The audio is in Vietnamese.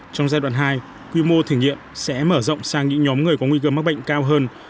trong giai đoạn hai quy mô thử nghiệm sẽ mở rộng sang những nhóm người có nguy cơ mắc bệnh cao hơn